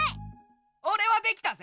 オレはできたぜ！